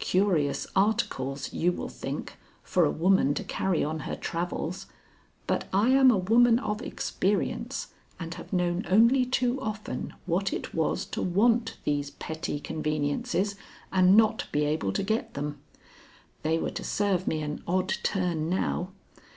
Curious articles, you will think, for a woman to carry on her travels, but I am a woman of experience, and have known only too often what it was to want these petty conveniences and not be able to get them. They were to serve me an odd turn now.